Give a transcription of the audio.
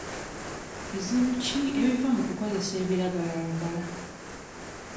Bizibu ki ebiva mu kukozesa ebiragalalagala?